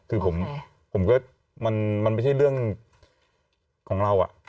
คือผมก็มันไม่ใช่เรื่องของเรา